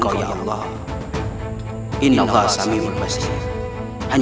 ayo kita ke pantai bokan